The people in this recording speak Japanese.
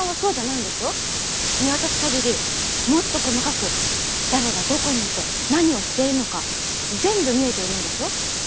見渡す限りもっと細かく誰がどこにいて何をしてるのか全部見えているんでしょ？